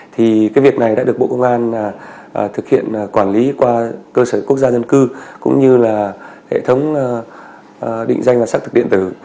thì cái việc này đã được bộ công an thực hiện quản lý qua cơ sở quốc gia dân cư cũng như là hệ thống định danh và xác thực điện tử